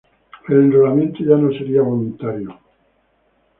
El enrolamiento ya no sería voluntario.